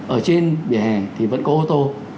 ở trên vỉa hè thì vẫn có ô tô